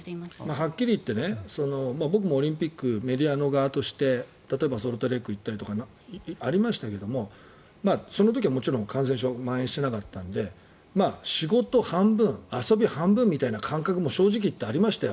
はっきり言って僕もオリンピックメディアの側として例えばソルトレークに行ったりとかありましたけどその時はもちろん感染症はまん延していなかったので仕事半分遊び半分みたいな感覚も正直ありましたよ。